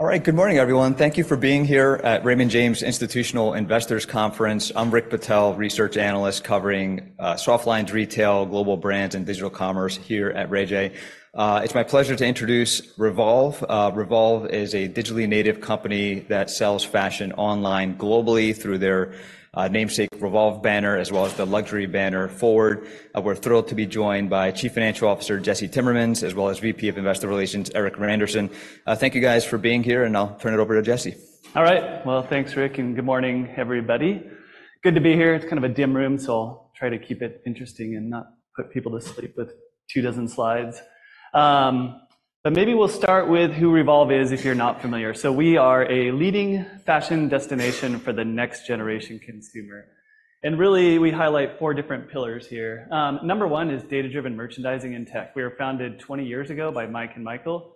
All right, good morning, everyone. Thank you for being here at Raymond James Institutional Investors Conference. I'm Rick Patel, research analyst covering soft lines retail, global brands, and digital commerce here at Ray J. It's my pleasure to introduce Revolve. Revolve is a digitally native company that sells fashion online globally through their namesake Revolve banner as well as the luxury banner FWRD. We're thrilled to be joined by Chief Financial Officer Jesse Timmermans as well as VP of Investor Relations Erik Randerson. Thank you guys for being here, and I'll turn it over to Jesse. All right, well, thanks, Rick, and good morning, everybody. Good to be here. It's kind of a dim room, so I'll try to keep it interesting and not put people to sleep with two dozen slides. But maybe we'll start with who Revolve is if you're not familiar. We are a leading fashion destination for the next generation consumer. Really, we highlight four different pillars here. Number one is data-driven merchandising and tech. We were founded 20 years ago by Mike and Michael,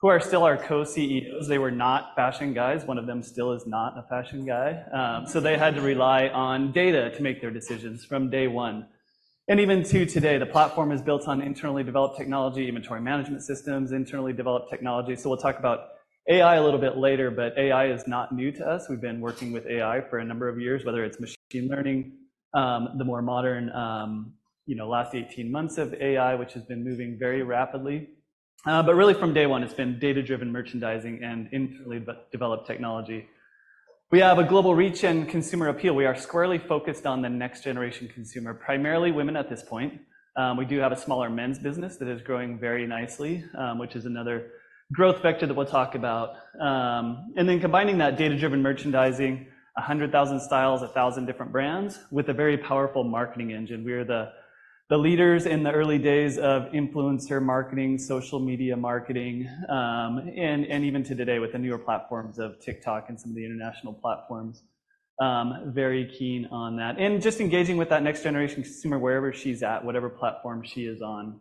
who are still our Co-CEOs. They were not fashion guys. One of them still is not a fashion guy. They had to rely on data to make their decisions from day one. Even to today, the platform is built on internally developed technology, inventory management systems, internally developed technology. So we'll talk about AI a little bit later, but AI is not new to us. We've been working with AI for a number of years, whether it's machine learning, the more modern, last 18 months of AI, which has been moving very rapidly. But really, from day one, it's been data-driven merchandising and internally developed technology. We have a global reach and consumer appeal. We are squarely focused on the next generation consumer, primarily women at this point. We do have a smaller men's business that is growing very nicely, which is another growth vector that we'll talk about. And then combining that data-driven merchandising, 100,000 styles, 1,000 different brands, with a very powerful marketing engine. We are the leaders in the early days of influencer marketing, social media marketing, and even to today with the newer platforms of TikTok and some of the international platforms, very keen on that and just engaging with that next generation consumer wherever she's at, whatever platform she is on.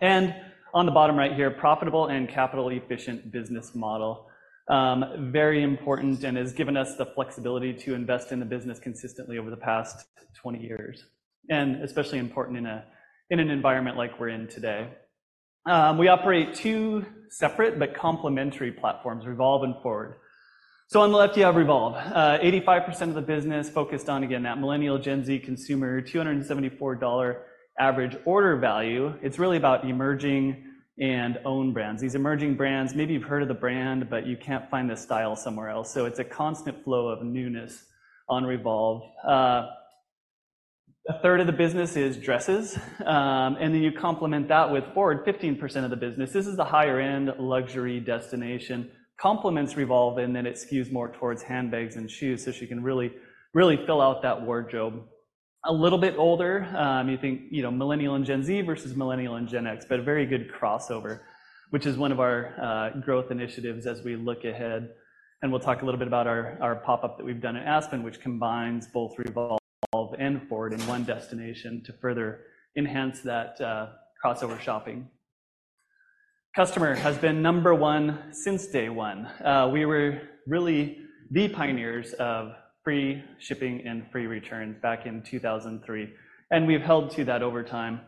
And on the bottom right here, profitable and capital-efficient business model, very important and has given us the flexibility to invest in the business consistently over the past 20 years, and especially important in an environment like we're in today. We operate two separate but complementary platforms, Revolve and FWRD. So on the left, you have Revolve, 85% of the business focused on, again, that millennial Gen Z consumer $274 average order value. It's really about emerging and owned brands. These emerging brands, maybe you've heard of the brand, but you can't find the style somewhere else. So it's a constant flow of newness on Revolve. A third of the business is dresses. And then you complement that with FWRD, 15% of the business. This is the higher-end luxury destination, complements Revolve, and then it skews more towards handbags and shoes so she can really, really fill out that wardrobe. A little bit older, you think millennial and Gen Z versus millennial and Gen X, but a very good crossover, which is one of our growth initiatives as we look ahead. And we'll talk a little bit about our pop-up that we've done in Aspen, which combines both Revolve and FWRD in one destination to further enhance that crossover shopping. Customer has been number one since day one. We were really the pioneers of free shipping and free returns back in 2003, and we've held to that over time.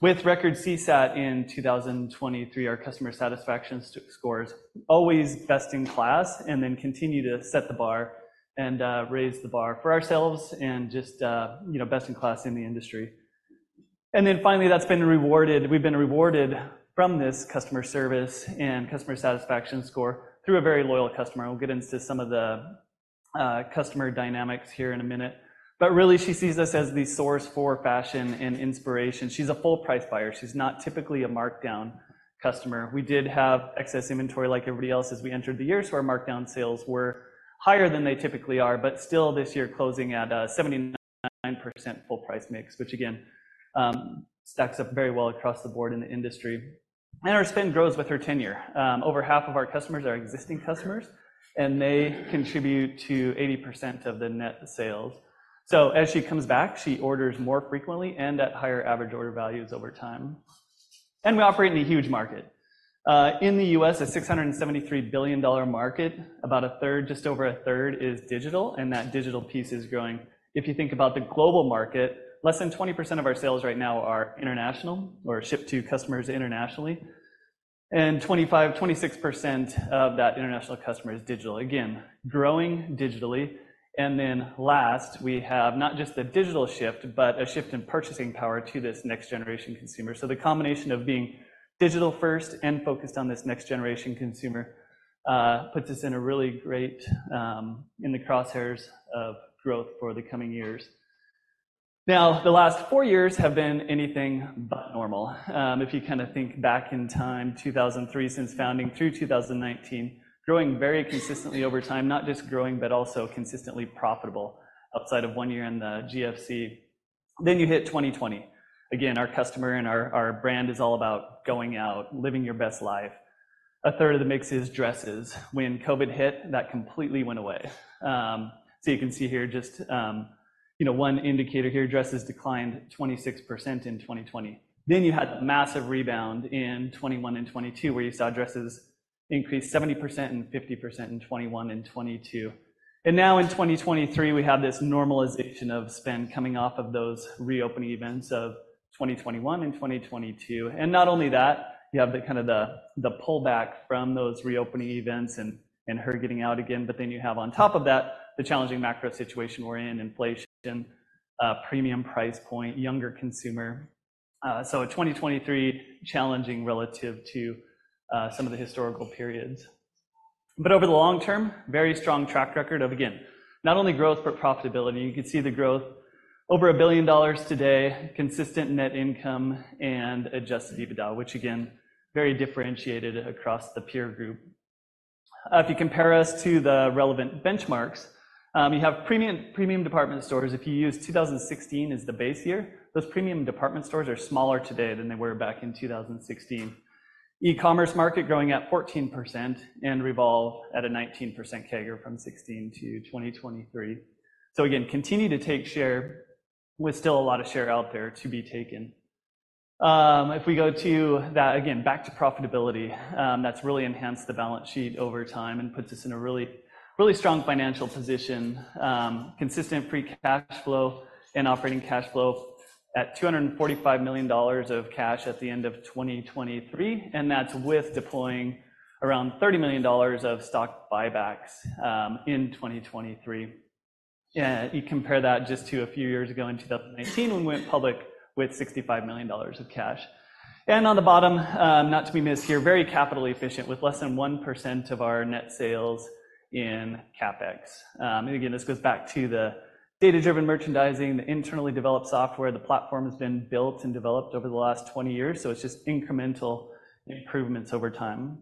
With record CSAT in 2023, our customer satisfaction scores always best in class, and then continue to set the bar and raise the bar for ourselves and just best in class in the industry. And then finally, that's been rewarded. We've been rewarded from this customer service and customer satisfaction score through a very loyal customer. We'll get into some of the customer dynamics here in a minute. But really, she sees us as the source for fashion and inspiration. She's a full price buyer. She's not typically a markdown customer. We did have excess inventory like everybody else as we entered the year, so our markdown sales were higher than they typically are, but still this year closing at a 79% full price mix, which again, stacks up very well across the board in the industry. Our spend grows with her tenure. Over half of our customers are existing customers, and they contribute to 80% of the net sales. So as she comes back, she orders more frequently and at higher average order values over time. We operate in a huge market. In the U.S., a $673 billion market, about a third, just over a third, is digital, and that digital piece is growing. If you think about the global market, less than 20% of our sales right now are international or shipped to customers internationally, and 25%, 26% of that international customer is digital, again, growing digitally. Then last, we have not just the digital shift, but a shift in purchasing power to this next generation consumer. So the combination of being digital first and focused on this next generation consumer puts us in a really great in the crosshairs of growth for the coming years. Now, the last 4 years have been anything but normal. If you kind of think back in time, 2003 since founding through 2019, growing very consistently over time, not just growing, but also consistently profitable outside of 1 year in the GFC. Then you hit 2020. Again, our customer and our brand is all about going out, living your best life. A third of the mix is dresses. When COVID hit, that completely went away. So you can see here just one indicator here, dresses declined 26% in 2020. Then you had the massive rebound in 2021 and 2022, where you saw dresses increase 70% and 50% in 2021 and 2022. And now in 2023, we have this normalization of spend coming off of those reopening events of 2021 and 2022. And not only that, you have the kind of the pullback from those reopening events and her getting out again. But then you have, on top of that, the challenging macro situation we're in, inflation, premium price point, younger consumer. So, a challenging 2023 relative to some of the historical periods. But over the long term, very strong track record of, again, not only growth, but profitability. You can see the growth over $1 billion today, consistent net income, and adjusted EBITDA, which again, very differentiated across the peer group. If you compare us to the relevant benchmarks, you have premium department stores. If you use 2016 as the base year, those premium department stores are smaller today than they were back in 2016. E-commerce market growing at 14% and Revolve at a 19% CAGR from 2016 to 2023. So again, continue to take share. We're still a lot of share out there to be taken. If we go to that, again, back to profitability, that's really enhanced the balance sheet over time and puts us in a really, really strong financial position, consistent free cash flow and operating cash flow at $245 million of cash at the end of 2023. That's with deploying around $30 million of stock buybacks in 2023. You compare that just to a few years ago in 2019 when we went public with $65 million of cash. On the bottom, not to be missed here, very capital-efficient with less than 1% of our net sales in CapEx. Again, this goes back to the data-driven merchandising, the internally developed software. The platform has been built and developed over the last 20 years, so it's just incremental improvements over time.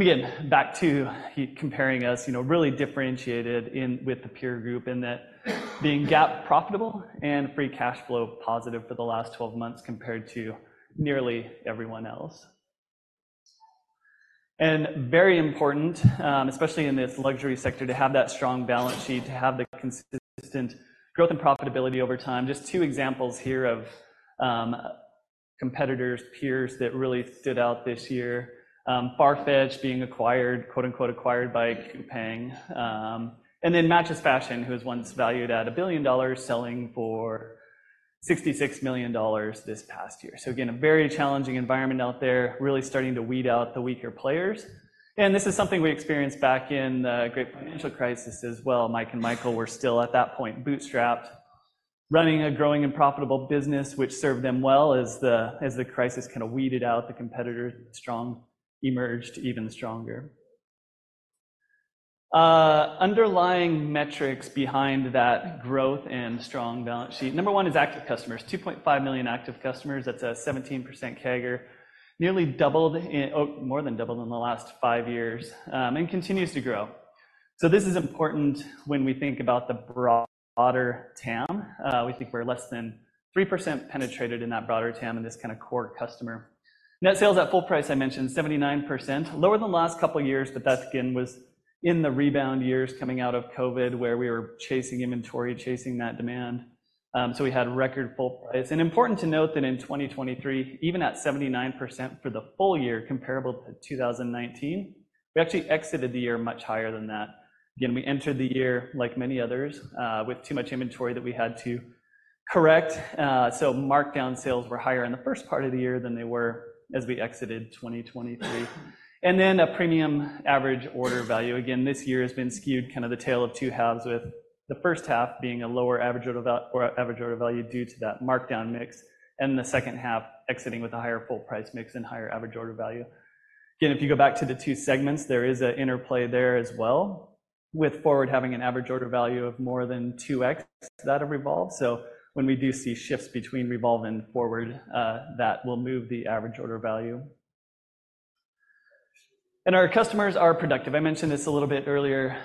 Again, back to comparing us, really differentiated with the peer group in that being GAAP profitable and free cash flow positive for the last 12 months compared to nearly everyone else. Very important, especially in this luxury sector, to have that strong balance sheet, to have the consistent growth and profitability over time. Just two examples here of competitors, peers that really stood out this year, Farfetch being acquired, quote-unquote, acquired by Coupang. Then Matchesfashion, who was once valued at $1 billion, selling for $66 million this past year. Again, a very challenging environment out there, really starting to weed out the weaker players. This is something we experienced back in the Great Financial Crisis as well. Mike and Michael were still at that point bootstrapped, running a growing and profitable business, which served them well as the crisis kind of weeded out the competitors; the strong emerged even stronger. The underlying metrics behind that growth and strong balance sheet, number one is active customers, 2.5 million active customers. That's a 17% CAGR, nearly doubled, more than doubled in the last five years, and continues to grow. So this is important when we think about the broader TAM. We think we're less than 3% penetrated in that broader TAM in this kind of core customer. Net sales at full price, I mentioned, 79%, lower than the last couple of years, but that again was in the rebound years coming out of COVID, where we were chasing inventory, chasing that demand. So we had record full price. Important to note that in 2023, even at 79% for the full year, comparable to 2019, we actually exited the year much higher than that. Again, we entered the year like many others with too much inventory that we had to correct. So markdown sales were higher in the first part of the year than they were as we exited 2023. And then a premium average order value, again, this year has been skewed kind of the tail of two halves, with the first half being a lower average order value due to that markdown mix and the second half exiting with a higher full price mix and higher average order value. Again, if you go back to the two segments, there is an interplay there as well, with FWRD having an average order value of more than 2x that of Revolve. So when we do see shifts between Revolve and FWRD, that will move the average order value. And our customers are productive. I mentioned this a little bit earlier,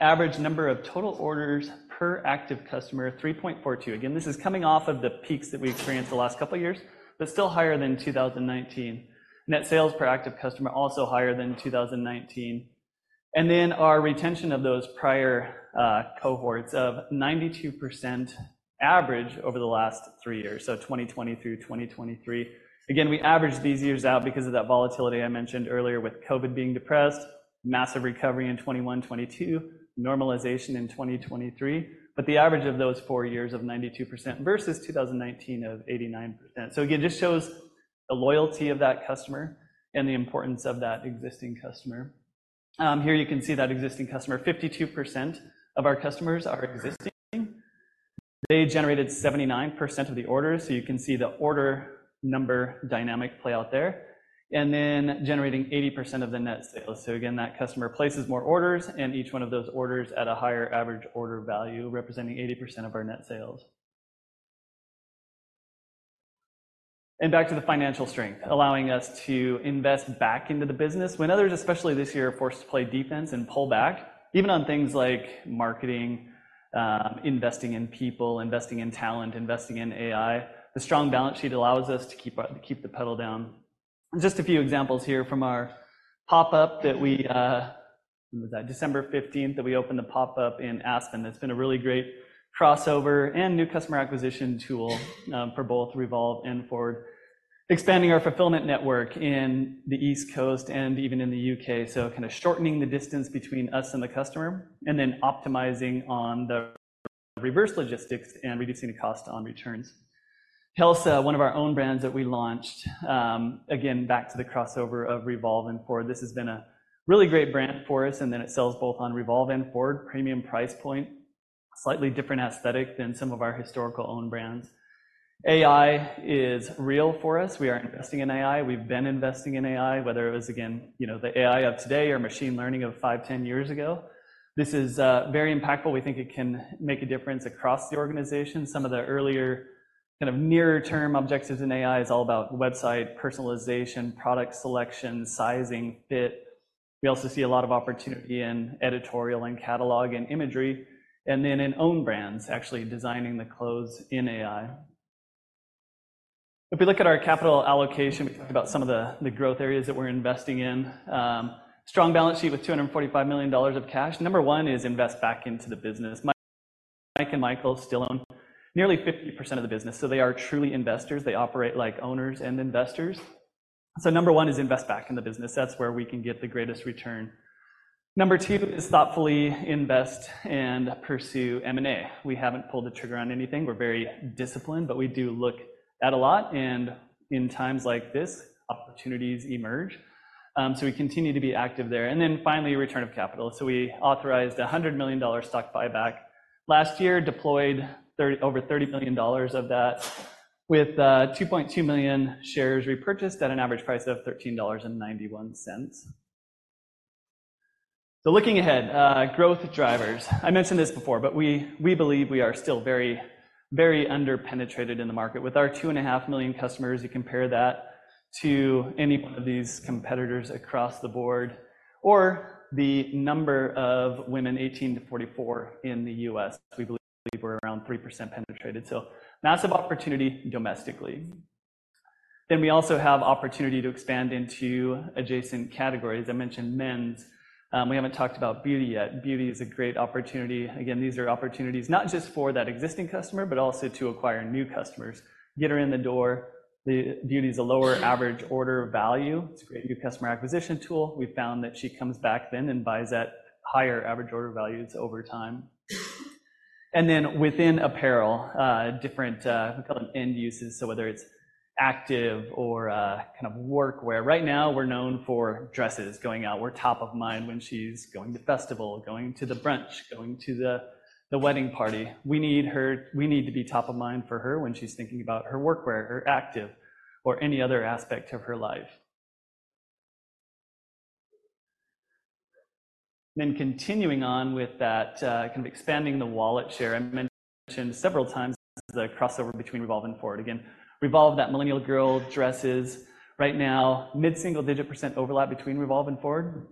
average number of total orders per active customer, 3.42. Again, this is coming off of the peaks that we experienced the last couple of years, but still higher than 2019. Net sales per active customer, also higher than 2019. And then our retention of those prior cohorts of 92% average over the last three years, so 2020 through 2023. Again, we averaged these years out because of that volatility I mentioned earlier, with COVID being depressed, massive recovery in 2021, 2022, normalization in 2023, but the average of those four years of 92% versus 2019 of 89%. So again, just shows the loyalty of that customer and the importance of that existing customer. Here you can see that existing customer, 52% of our customers are existing. They generated 79% of the orders. So you can see the order number dynamic play out there, and then generating 80% of the net sales. So again, that customer places more orders, and each one of those orders at a higher average order value, representing 80% of our net sales. And back to the financial strength, allowing us to invest back into the business when others, especially this year, are forced to play defense and pull back, even on things like marketing, investing in people, investing in talent, investing in AI. The strong balance sheet allows us to keep the pedal down. And just a few examples here from our pop-up that we was that December 15th that we opened the pop-up in Aspen. That's been a really great crossover and new customer acquisition tool for both Revolve and FWRD, expanding our fulfillment network in the East Coast and even in the U.K., so kind of shortening the distance between us and the customer, and then optimizing on the reverse logistics and reducing the cost on returns. Helsa, one of our own brands that we launched, again, back to the crossover of Revolve and FWRD. This has been a really great brand for us, and then it sells both on Revolve and FWRD, premium price point, slightly different aesthetic than some of our historical owned brands. AI is real for us. We are investing in AI. We've been investing in AI, whether it was, again, the AI of today or machine learning of five, 10 years ago. This is very impactful. We think it can make a difference across the organization. Some of the earlier kind of nearer-term objectives in AI is all about website, personalization, product selection, sizing, fit. We also see a lot of opportunity in editorial and catalog and imagery, and then in owned brands, actually designing the clothes in AI. If we look at our capital allocation, we talk about some of the growth areas that we're investing in, strong balance sheet with $245 million of cash. Number one is invest back into the business. Mike and Michael still own nearly 50% of the business, so they are truly investors. They operate like owners and investors. So number one is invest back in the business. That's where we can get the greatest return. Number two is thoughtfully invest and pursue M&A. We haven't pulled the trigger on anything. We're very disciplined, but we do look at a lot, and in times like this, opportunities emerge. So we continue to be active there. And then finally, return of capital. So we authorized a $100 million stock buyback last year, deployed over $30 million of that with 2.2 million shares repurchased at an average price of $13.91. So looking ahead, growth drivers. I mentioned this before, but we believe we are still very, very under-penetrated in the market with our 2.5 million customers. You compare that to any one of these competitors across the board or the number of women, 18-44, in the U.S., we believe we're around 3% penetrated. So massive opportunity domestically. Then we also have opportunity to expand into adjacent categories. I mentioned men's. We haven't talked about beauty yet. Beauty is a great opportunity. Again, these are opportunities not just for that existing customer, but also to acquire new customers, get her in the door. Beauty is a lower average order value. It's a great new customer acquisition tool. We found that she comes back then and buys at higher average order values over time. Then within apparel, different we call them end uses. So whether it's active or kind of workwear, right now we're known for dresses going out. We're top of mind when she's going to festival, going to the brunch, going to the wedding party. We need her. We need to be top of mind for her when she's thinking about her workwear, her active, or any other aspect of her life. Continuing on with that kind of expanding the wallet share, I mentioned several times the crossover between Revolve and FWRD. Again, Revolve, that millennial girl dresses right now, mid-single digit percent overlap between Revolve and FWRD.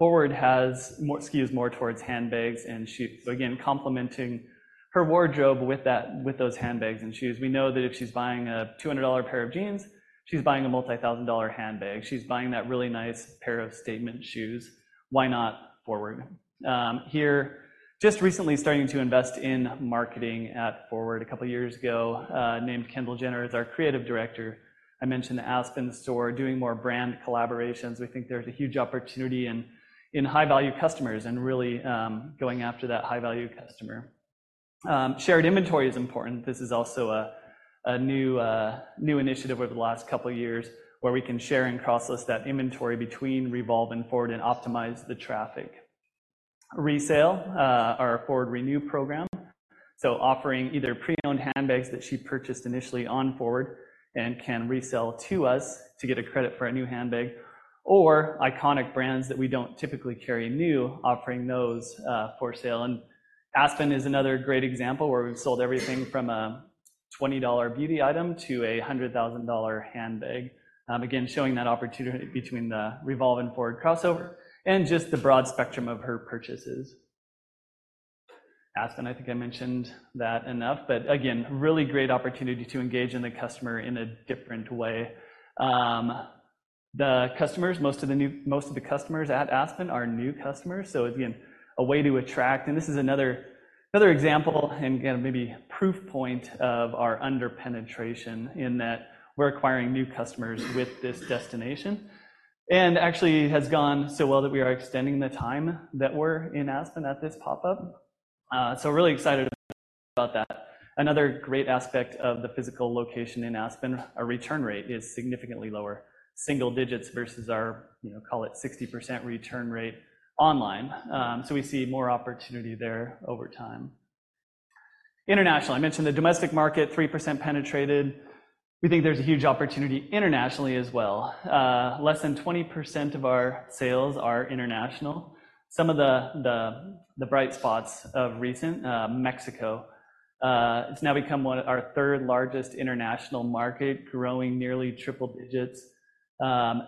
FWRD has more skews more towards handbags and shoes. So again, complementing her wardrobe with those handbags and shoes. We know that if she's buying a $200 pair of jeans, she's buying a multi-thousand-dollar handbag. She's buying that really nice pair of statement shoes. Why not FWRD? Here, just recently starting to invest in marketing at FWRD a couple of years ago, named Kendall Jenner as our creative director. I mentioned the Aspen store, doing more brand collaborations. We think there's a huge opportunity in high-value customers and really going after that high-value customer. Shared inventory is important. This is also a new initiative over the last couple of years where we can share and cross-list that inventory between Revolve and FWRD and optimize the traffic. Resale, our FWRD Renew program, so offering either pre-owned handbags that she purchased initially on FWRD and can resell to us to get a credit for a new handbag, or iconic brands that we don't typically carry new, offering those for sale. Aspen is another great example where we've sold everything from a $20 beauty item to a $100,000 handbag. Again, showing that opportunity between the Revolve and FWRD crossover and just the broad spectrum of her purchases. Aspen, I think I mentioned that enough, but again, really great opportunity to engage the customer in a different way. The customers, most of the customers at Aspen are new customers. So again, a way to attract. And this is another example and maybe proof point of our under-penetration in that we're acquiring new customers with this destination, and actually has gone so well that we are extending the time that we're in Aspen at this pop-up. So really excited about that. Another great aspect of the physical location in Aspen, our return rate is significantly lower, single digits versus our, call it, 60% return rate online. So we see more opportunity there over time. International, I mentioned the domestic market, 3% penetrated. We think there's a huge opportunity internationally as well. Less than 20% of our sales are international. Some of the bright spots of recent, Mexico, it's now become one of our third largest international markets, growing nearly triple digits.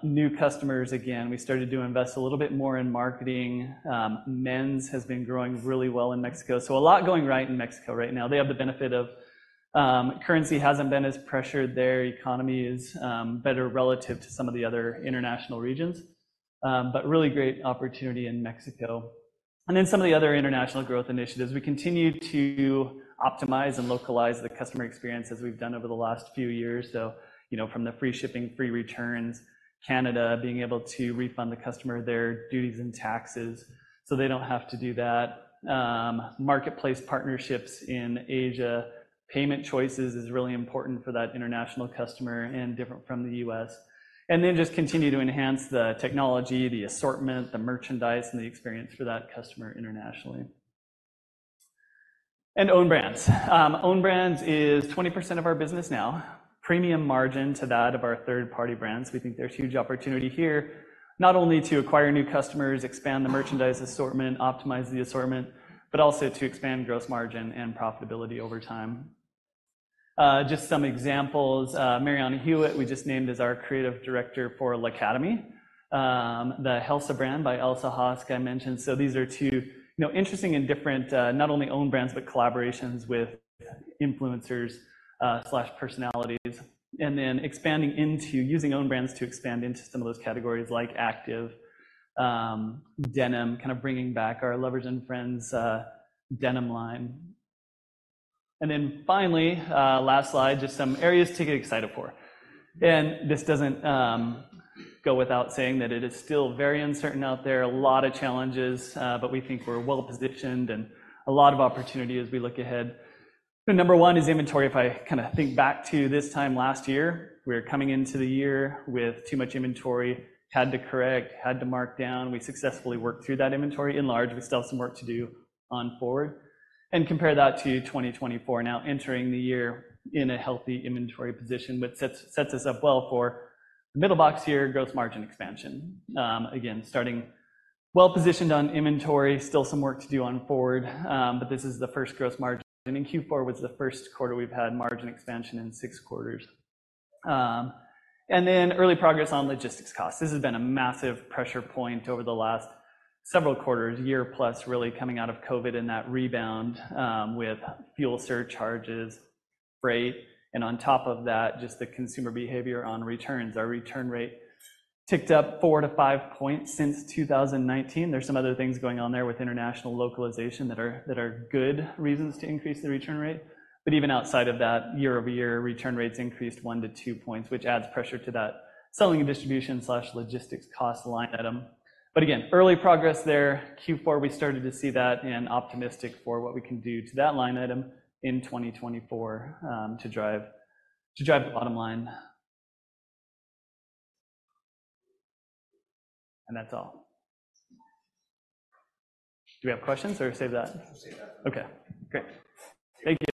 New customers, again, we started to invest a little bit more in marketing. Men's has been growing really well in Mexico, so a lot going right in Mexico right now. They have the benefit of currency hasn't been as pressured. Their economy is better relative to some of the other international regions, but really great opportunity in Mexico. And then some of the other international growth initiatives, we continue to optimize and localize the customer experience as we've done over the last few years. So from the free shipping, free returns, Canada, being able to refund the customer their duties and taxes so they don't have to do that. Marketplace partnerships in Asia, payment choices is really important for that international customer and different from the U.S., and then just continue to enhance the technology, the assortment, the merchandise, and the experience for that customer internationally. Owned brands, owned brands is 20% of our business now, premium margin to that of our third-party brands. We think there's huge opportunity here, not only to acquire new customers, expand the merchandise assortment, optimize the assortment, but also to expand gross margin and profitability over time. Just some examples, Marianna Hewitt, we just named as our creative director for L'Academie, the Helsa brand by Elsa Hosk, I mentioned. So these are two interesting and different, not only owned brands, but collaborations with influencers/personalities. Then expanding into using owned brands to expand into some of those categories like active denim, kind of bringing back our Lovers and Friends denim line. Then finally, last slide, just some areas to get excited for. And this doesn't go without saying that it is still very uncertain out there, a lot of challenges, but we think we're well positioned and a lot of opportunity as we look ahead. Number one is inventory. If I kind of think back to this time last year, we were coming into the year with too much inventory, had to correct, had to mark down. We successfully worked through that inventory enlarged. We still have some work to do on FWRD. And compare that to 2024, now entering the year in a healthy inventory position, which sets us up well for the middle box year, gross margin expansion. Again, starting well positioned on inventory, still some work to do on FWRD, but this is the first gross margin. And Q4 was the first quarter we've had margin expansion in 6 quarters. And then early progress on logistics costs. This has been a massive pressure point over the last several quarters, year plus, really coming out of COVID and that rebound with fuel surcharges, freight. And on top of that, just the consumer behavior on returns. Our return rate ticked up 4-5 points since 2019. There's some other things going on there with international localization that are good reasons to increase the return rate. But even outside of that, year-over-year, return rates increased 1-2 points, which adds pressure to that selling and distribution/logistics cost line item. But again, early progress there. Q4, we started to see that and optimistic for what we can do to that line item in 2024 to drive the bottom line. And that's all. Do we have questions or save that? Okay, great. Thank you.